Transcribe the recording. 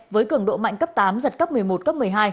với cường độ mạnh cấp tám giật cấp một mươi một cấp một mươi hai